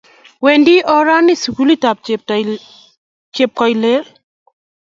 Wendi orani sukulit ap Chepkoilel